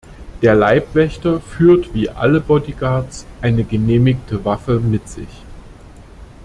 Der Leibwächter führt wie alle Bodyguards eine genehmigte Waffe mit sich.